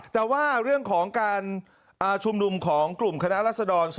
แต่ว่าเรื่องของการชุมนุมของกลุ่มคณะรัศดร